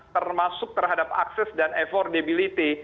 termasuk terhadap akses dan affordability